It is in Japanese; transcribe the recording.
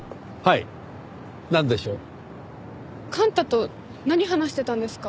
幹太と何話してたんですか？